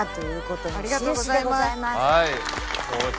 大島さんありがとうございます。